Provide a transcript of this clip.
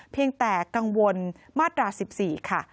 เพียงแต่กังวลมาตรา๑๔ค่ะ